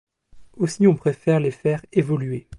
Aussi on préfère les faire évoluer.